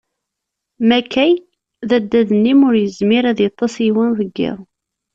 Makay, d addad-nni m'ara ur yezmir ad yeṭṭes yiwen deg iḍ.